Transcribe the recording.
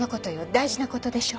大事な事でしょ。